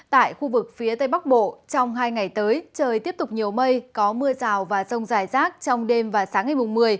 tại khu vực phía tây bắc bộ trong hai ngày tới trời tiếp tục nhiều mây có mưa rào và rông dài rác trong đêm và sáng ngày mùng một mươi